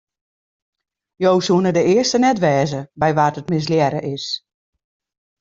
Jo soene de earste net wêze by wa't it mislearre is.